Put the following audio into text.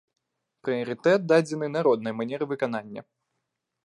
Прыярытэт дадзены народнай манеры выканання.